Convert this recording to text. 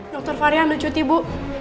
dokter fahri andal cuti bu